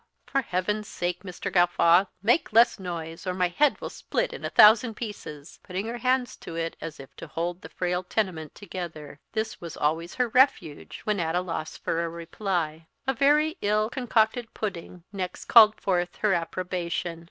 "For heaven's sake, Mr. Gawffaw, make less noise, or my head will split in a thousand pieces!" putting her hands to it, as if to hold the frail tenement together. This was always her refuge when at a loss for a reply. A very ill concocted pudding next called forth her approbation.